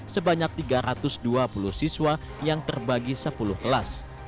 sebanyak tiga ratus dua puluh siswa yang terbagi sepuluh kelas